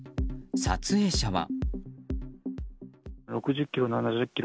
撮影者は。